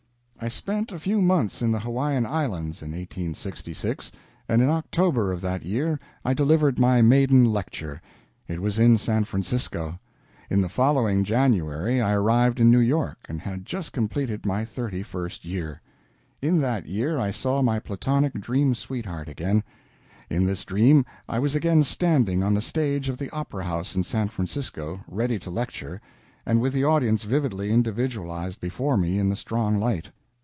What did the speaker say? I spent a few months in the Hawaiian Islands in 1866, and in October of that year I delivered my maiden lecture; it was in San Francisco. In the following January I arrived in New York, and had just completed my thirty first year. In that year I saw my platonic dream sweetheart again. In this dream I was again standing on the stage of the Opera House in San Francisco, ready to lecture, and with the audience vividly individualized before me in the strong light.